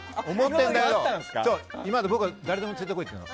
今でも僕は誰でも連れてこいって言うの。